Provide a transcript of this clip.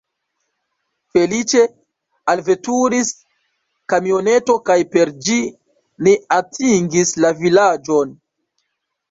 Feliĉe alveturis kamioneto kaj per ĝi ni atingis la vilaĝon.